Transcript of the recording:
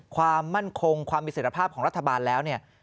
ความมั่นคงความมีเสร็จภาพของรัฐบาลแล้วเนี่ย